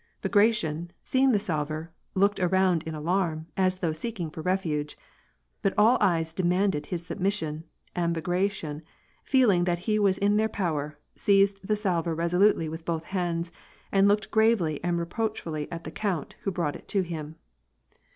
Bagration, seeing the salver, looked around in alarm, as though seeking for refuge. But all eyes demanded his sub mission, and Bagration, feeling that he was in their power, seized the salver resolutely with both hands, and looked gravely and reproachfully at the count who brought it to him.